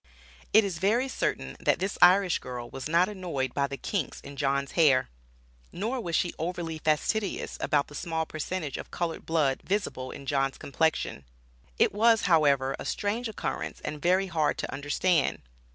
It is very certain, that this Irish girl was not annoyed by the kinks in John's hair. Nor was she overly fastidious about the small percentage of colored blood visible in John's complexion. It was, however, a strange occurrence and very hard to understand.